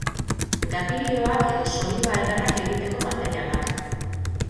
Gapirioak edo soliba ederrak egiteko materialak.